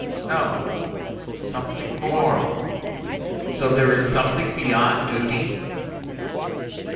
No. Something more. So there is something beyond duty?"